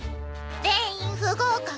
全員不合格。